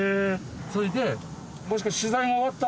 それで。